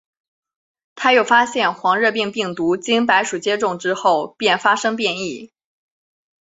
他又发现黄热病病毒经白鼠接种之后便发生变异。